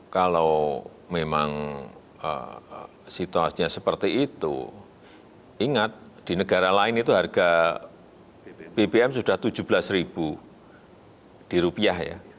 kalau memang situasinya seperti itu ingat di negara lain itu harga bbm sudah tujuh belas di rupiah ya